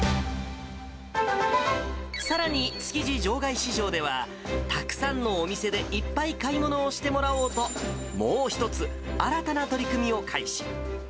さらに築地場外市場では、たくさんのお店でいっぱい買い物をしてもらおうと、もう一つ新たな取り組みを開始。